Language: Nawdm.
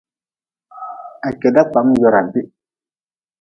Ha keda kpam jora bih.